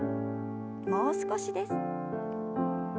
もう少しです。